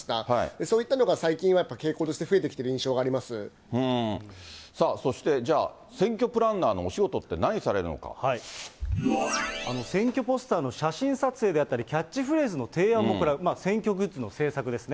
そういったのが最近は傾向としてそしてじゃあ、選挙プランナ選挙ポスターの写真撮影であったり、キャッチフレーズの提案も、これは選挙グッズの制作ですね。